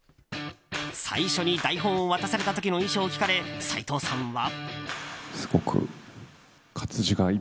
最初に台本を渡された時の印象を聞かれ斎藤さんは。